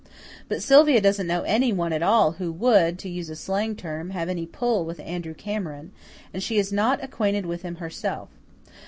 But Sylvia doesn't know anyone at all who would, to use a slang term, have any 'pull' with Andrew Cameron, and she is not acquainted with him herself.